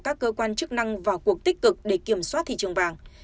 các cơ quan chức năng vào cuộc tích cực để kiểm soát thị trường vàng